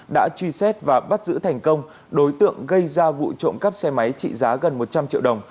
đã truy xét và bắt giữ thành công đối tượng gây ra vụ trộm cắp xe máy trị giá gần một trăm linh triệu đồng